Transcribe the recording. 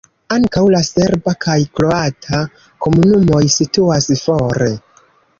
Ankaŭ la serba kaj kroata komunumoj situas fore.